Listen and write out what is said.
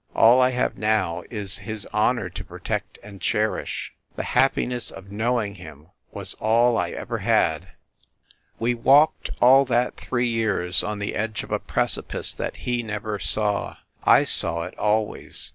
All I have now is his honor to protect and cherish. The happiness of knowing him was all I ever had. ... We walked all that three years on the edge of a precipice that he never saw. ... I saw it al ways.